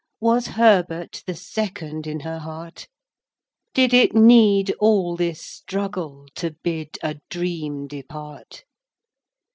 Was Herbert The second in her heart? Did it need all this struggle To bid a dream depart?